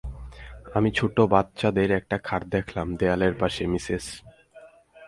আমি ছোট বাচ্চাদের একটা খাট দেখলাম দেয়ালের পাশে, মিসেস।